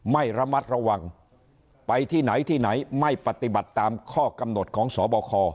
ไม่ระมัดระวังไปที่ไหนที่ไหนไม่ปฏิบัติตามข้อกำหนดของสบค